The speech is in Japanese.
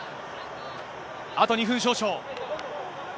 あと２分少々。